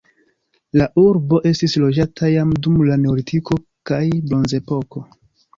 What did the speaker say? La urbo estis loĝata jam dum la neolitiko kaj bronzepoko.